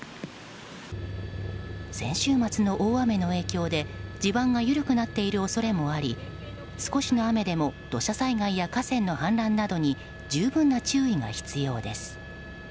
先週末の大雨の影響で地盤が緩くなっている恐れもあり少しの雨でも土砂災害や河川の氾濫などに十分な注意が必要です。